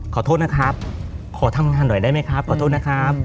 ขอโทษนะครับขอทำงานหน่อยได้ไหมครับขอโทษนะครับ